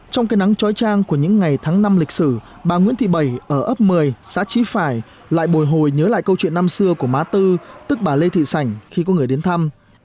trong cái nắng trói trang của những ngày tháng năm lịch sử bà nguyễn thị bảy ở ấp một mươi xã trí phải lại bồi hồi nhớ lại câu chuyện năm xưa của má tư tức bà lê thị sảnh khi có người đến thăm